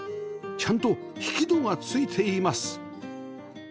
ちゃんと引き戸がついています